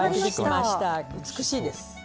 美しいです。